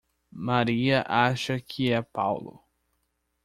Maria acha que é Paulo.